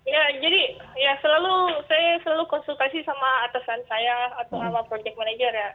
ya jadi ya selalu saya selalu konsultasi sama atasan saya atau sama project manager ya